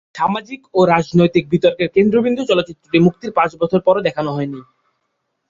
সামাজিক ও রাজনৈতিক বিতর্কের কেন্দ্রবিন্দু চলচ্চিত্রটি মুক্তির পাঁচ বছর পরেও দেখানো হয়নি।